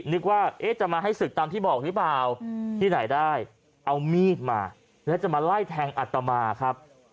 นึกว่าจะมาให้ศึกตามที่บอกหรือเปล่าที่ไหนได้เอามีดมาแล้วจะมาไล่แทงอัตมาครับ